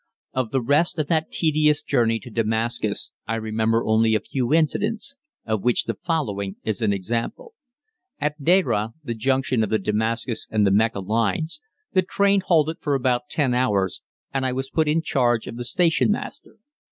Of the rest of that tedious journey to Damascus I remember only a few incidents, of which the following is an example. At Deraah, the junction of the Damascus and the Mecca lines, the train halted for about ten hours and I was put in charge of the station master.